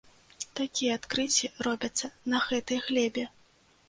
Такія адкрыцці робяцца на гэтай глебе!